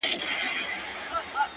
پورته تللې ده,